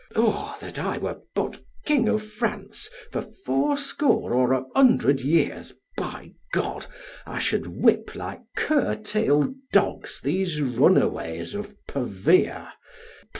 Oh that I were but King of France for fourscore or a hundred years! By G , I should whip like curtail dogs these runaways of Pavia.